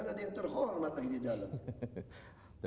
jangan jangan ada yang terhorl